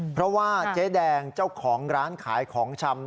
เพราะว่าเจ๊แดงเจ้าของร้านขายของชำ